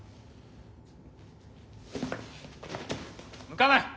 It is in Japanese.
向かない！